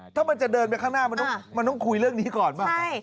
ถ้ามันจะเดินไปข้างหน้ามันต้องคุยเรื่องนี้ก่อนป่ะ